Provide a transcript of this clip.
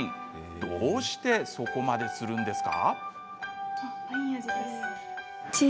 どうしてそこまでするんですか？